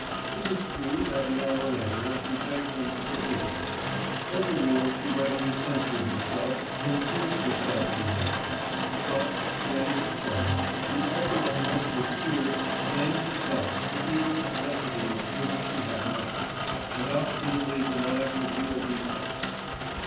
It is true that an hour later she begged him to forgive her.... As a rule she readily censured herself and accused herself to him; but, strange to say, she often almost with tears blamed herself for evil propensities which she had not, and obstinately denied her real defects.